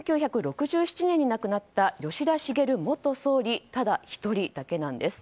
１９６７年に亡くなった吉田茂元総理ただ１人だけなんです。